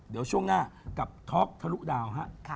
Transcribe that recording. เดี๋ยวช่วงหน้ากับท็อกทะลุดาวฮะ